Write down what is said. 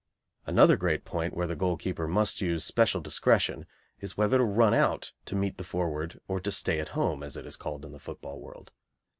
Another great point where the goalkeeper must use special discretion is whether to run out to meet the forward or to "stay at home," as it is called in the football world.